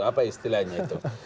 apa istilahnya itu